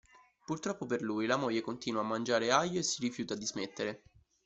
Purtroppo per lui, la moglie continua a mangiare aglio e si rifiuta di smettere.